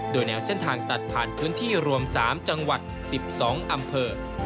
โดยแนวเส้นทางตัดผ่านพื้นที่รวม๓จังหวัด๑๒อำเภอ